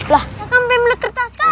lah kan pemilik kertas kan